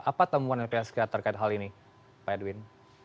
apa temuan lpsk terkait hal ini pak edwin